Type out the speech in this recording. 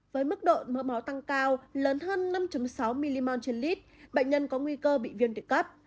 với mức độ mỡ máu tăng cao lớn hơn năm sáu mmol trên lít bệnh nhân có nguy cơ bị viêm đường cấp